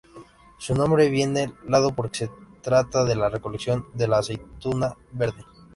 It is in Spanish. Su nombre viene dado porque se trata de la recolección de la aceituna verde.